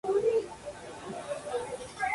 Recientemente su producción se verá incrementada.